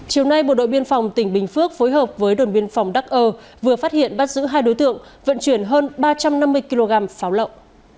chiều nay bộ đội biên phòng tỉnh bình phước phối hợp với đồn biên phòng đắc ơ vừa phát hiện bắt giữ hai đối tượng vận chuyển hơn ba trăm năm mươi kg pháo lậu